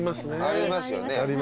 ありますよね。